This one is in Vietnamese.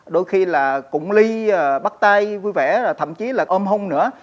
đôi khi là cụng ly bắt tay vui vẻ thậm chí là ôm hung nữa